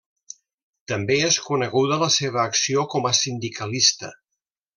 També és coneguda la seva acció com a sindicalista.